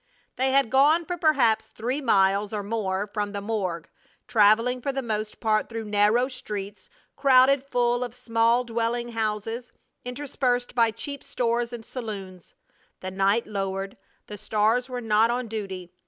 They had gone for perhaps three miles or more from the morgue, traveling for the most part through narrow streets crowded full of small dwelling houses interspersed by cheap stores and saloons. The night lowered! the stars were not on duty.